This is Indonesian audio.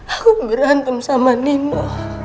aku berantem sama nino